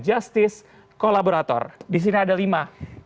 jastis kolaborator disini ada lima